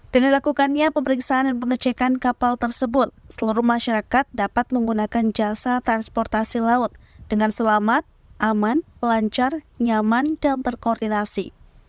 dengan lakukannya pemeriksaan dan pengecekan kapal tersebut seluruh masyarakat dapat menggunakan jasa transportasi laut dengan selamat aman lancar nyaman dan terkoordinasi